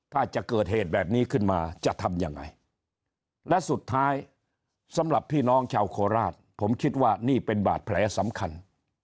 ถ้าจะเกิดเหตุแบบนี้ขึ้นมาจะทำยังไงและสุดท้ายสำหรับพี่น้องชาวโคราชผมคิดว่านี่เป็นบาดแผลสำคัญ